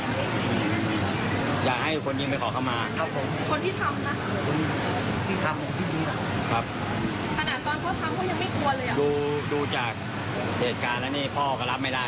ไม่มีใครรับได้หรอก